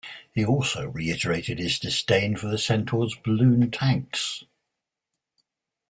He also reiterated his disdain for the Centaur's balloon tanks.